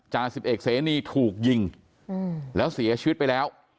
จ่าสิบเอกเสนีถูกยิงแล้วเสียชีวิตไปแล้ว